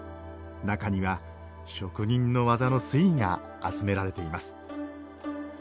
中には職人の技の粋が集められています。